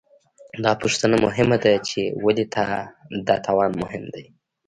دا پوښتنه مهمه ده، چې ولې دا توان مهم دی؟